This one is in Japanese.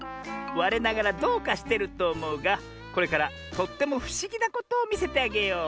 われながらどうかしてるとおもうがこれからとってもふしぎなことをみせてあげよう。